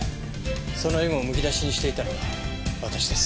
そのエゴをむき出しにしていたのは私です。